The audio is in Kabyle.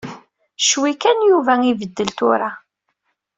Ccwi kan Yuba ibeddel tura.